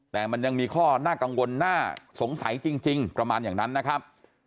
แต่มันยังมีข้อน่ากังวลน่าสงสัยจริงประมาณอย่างนั้นนะครับ